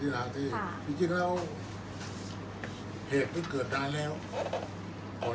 อันไหนที่มันไม่จริงแล้วอาจารย์อยากพูด